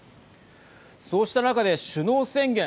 そうした中で首脳宣言